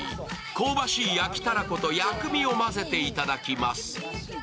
香ばしい焼きたらこと薬味を混ぜていただきます。